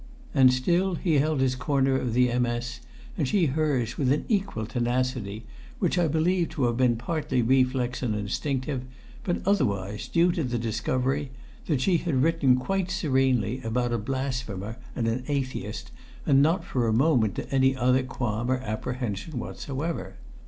And still he held his corner of the MS., and she hers with an equal tenacity, which I believe to have been partly reflex and instinctive, but otherwise due to the discovery that she had written quite serenely about a blasphemer and an atheist, and not for a moment to any other qualm or apprehension whatsoever.